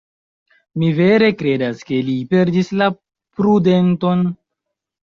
Mi vere kredas, ke li perdis la prudenton.